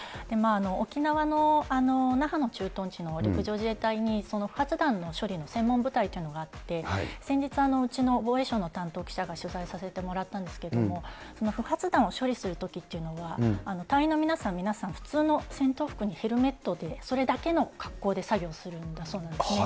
沖縄の那覇の駐屯地の陸上自衛隊にその不発弾の処理の専門部隊というのがあって、先日、うちの防衛省の担当記者が取材させてもらったんですけれども、不発弾を処理するときっていうのは、隊員の皆さん、皆さん普通の戦闘服にヘルメットで、それだけの格好で作業するんだそうなんですね。